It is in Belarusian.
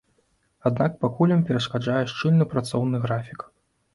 Аднак пакуль ім перашкаджае шчыльны працоўны графік.